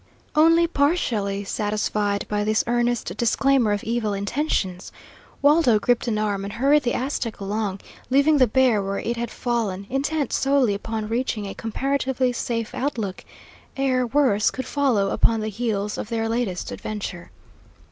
Only partially satisfied by this earnest disclaimer of evil intentions, Waldo gripped an arm and hurried the Aztec along, leaving the bear where it had fallen, intent solely upon reaching a comparatively safe outlook ere worse could follow upon the heels of their latest adventure.